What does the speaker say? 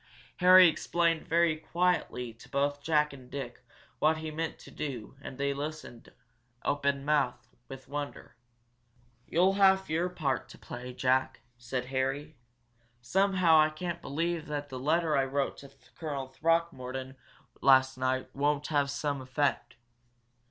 Harry explained very quietly to both Jack and Dick what he meant to do and they listened, open mouthed, with wonder. "You'll have your part to play, Jack," said Harry. "Somehow I can't believe that the letter I wrote to Colonel Throckmorton last night won't have some effect.